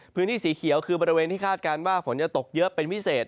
พื้นที่สีเขียวคือบริเวณที่คาดการณ์ว่าฝนจะตกเยอะเป็นพิเศษ